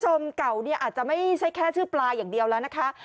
คุณผู้ชมเก่าเนี่ยอาจจะไม่ใช่แค่ชื่อปลาอย่างเดียวแล้วนะคะ